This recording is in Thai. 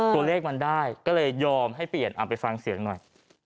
ตัวเลขมันได้ก็เลยยอมให้เปลี่ยนเอาไปฟังเสียงหน่อย